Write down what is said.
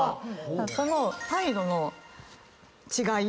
その態度の違い